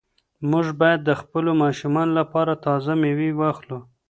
موږ باید د خپلو ماشومانو لپاره تازه مېوې واخلو.